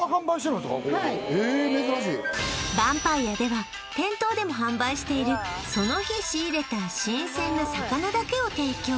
えっ珍しい晩杯屋では店頭でも販売しているその日仕入れた新鮮な魚だけを提供